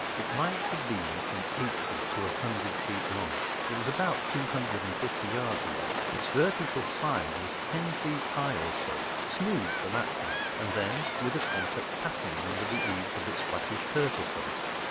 It might have been from eighty to a hundred feet long—it was about two hundred and fifty yards away—its vertical side was ten feet high or so, smooth for that height, and then with a complex patterning under the eaves of its flattish turtle cover.